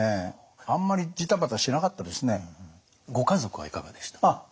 あんまりご家族はいかがでしたか？